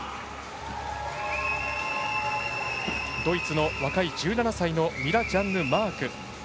ドイツの若い１７歳のミラジャンヌ・マーク。